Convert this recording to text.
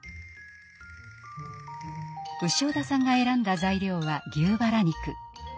潮田さんが選んだ材料は牛バラ肉。